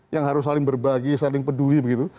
yang harus saling berbagi saling peduli begitu